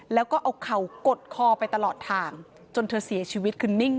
แล้วก็เอาเข่ากดคอไปตลอดทาง